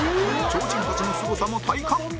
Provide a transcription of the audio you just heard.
超人たちのすごさも体感